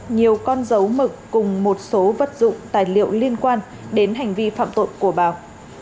nhiều con dấu mực cùng một số vật dụng tài liệu liên quan đến hành vi phạm tội của báo